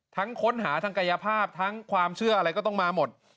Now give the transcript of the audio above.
ค้นหาทั้งกายภาพทั้งความเชื่ออะไรก็ต้องมาหมด